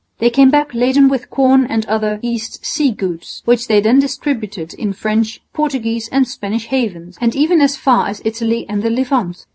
They came back laden with corn and other "east sea" goods, which they then distributed in French, Portuguese and Spanish havens, and even as far as Italy and the Levant.